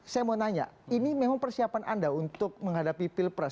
saya mau tanya ini memang persiapan anda untuk menghadapi pilpres